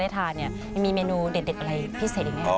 เราจะได้ทานี่มีเมนูเด็ดอะไรพิเศษไหม